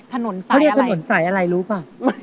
เรียกถนนสายอะไรรู้ป่ะ